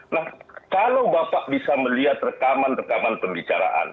nah kalau bapak bisa melihat rekaman rekaman pembicaraan